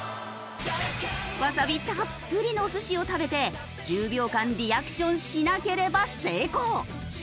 わさびたっぷりのお寿司を食べて１０秒間リアクションしなければ成功。